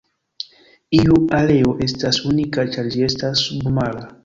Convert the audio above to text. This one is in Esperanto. Iu aleo estas unika ĉar ĝi estas submara.